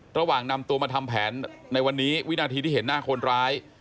ระหว่างนำตัวมาทำแผนในวันนี้วินาทีที่เห็นหน้าคนร้าย